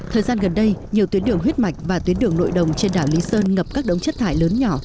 thời gian gần đây nhiều tuyến đường huyết mạch và tuyến đường nội đồng trên đảo lý sơn ngập các đống chất thải lớn nhỏ